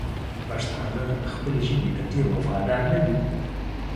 پښتانه خپلې ژبې ته ډېر وفادار ندي!